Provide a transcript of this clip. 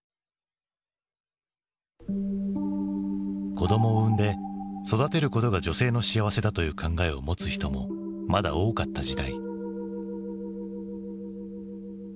子供を産んで育てることが女性の幸せだという考えを持つ人もまだ多かった時代。